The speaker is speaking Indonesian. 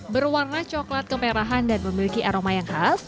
berwarna coklat kemerahan dan memiliki aroma yang khas